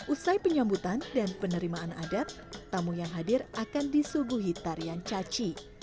usai penyambutan dan penerimaan adat tamu yang hadir akan disuguhi tarian caci